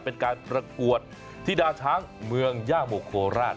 เป็นการประกวดธิดาช้างเมืองย่าโมกโคราช